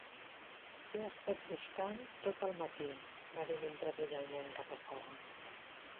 "T'he estat buscant tot el matí", va dir mentre duia el nen cap a fora.